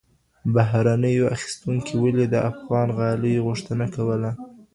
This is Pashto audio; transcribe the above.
بهرنیو اخیستونکو ولي د افغاني غالیو غوښتنه کوله؟